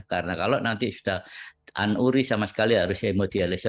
karena kalau nanti sudah anuri sama sekali harus hemodialisa